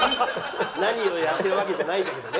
何をやってるわけじゃないんだけどね。